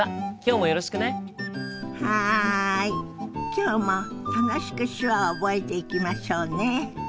今日も楽しく手話を覚えていきましょうね！